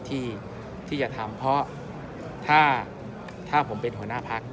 ที่จะทำเพราะถ้าผมเป็นหัวหน้าพัก